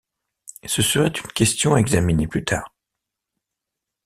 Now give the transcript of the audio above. Ce serait une question à examiner plus tard.